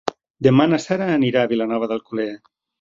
Demà na Sara anirà a Vilanova d'Alcolea.